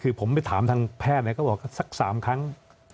คือผมไปถามทางแพทย์ก็บอกสัก๓ครั้ง